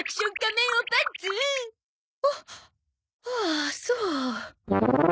ああそう。